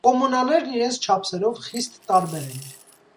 Կոմունաներն իրենց չափսերով խիստ տարբեր են։